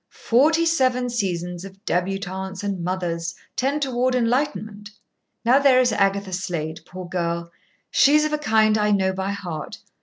Forty seven seasons of débutantes and mothers tend toward enlightenment. Now there is Agatha Slade, poor girl! She's of a kind I know by heart.